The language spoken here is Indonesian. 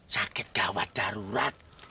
sakit gawat darurat